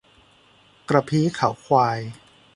กระพี้เขาควาย